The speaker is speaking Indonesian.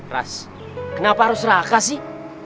ras kenapa harus raka sih